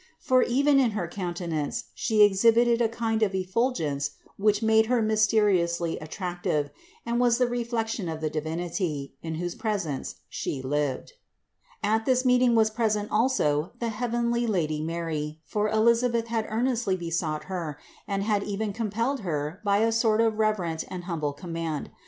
For even in her counte nance she exhibited a kind of effulgence which made her mysteriously attractive and was the reflection of the Divinity, in whose presence she lived. 290. At this meeting was present also the heavenly Lady Mary, for Elisabeth had earnestly besought Her, and had even compelled Her by a sort of reverent and humble command.